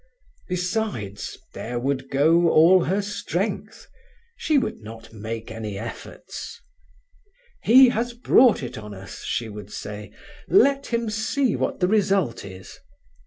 Besides, there would go all her strength. She would not make any efforts. 'He has brought it on us,' she would say; 'let him see what the result is.